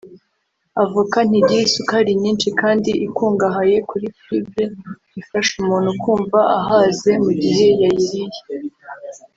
Avoka ntigira isukari nyinshi kandi ikungahaye kuri fibre ifasha umuntu kumva ahaze mu gihe yayiriye